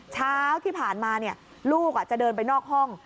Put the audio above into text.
เช้าที่ผ่านมาลูกจะเดินไปนอกห้อง